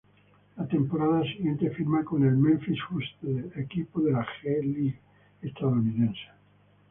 La temporada siguiente firma con el Memphis Hustle, equipo de la G-League estadounidense.